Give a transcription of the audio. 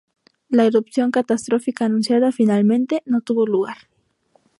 La erupción catastrófica anunciada, finalmente, no tuvo lugar.